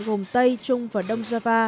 gồm tây trung và đông java